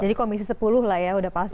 jadi komisi sepuluh lah ya udah pasti